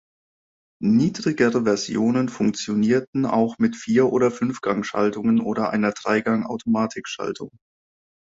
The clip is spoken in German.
Niedrigere Versionen funktionierten auch mit Vier- oder Fünfgang-Schaltungen oder einer Dreigang-Automatikschaltung.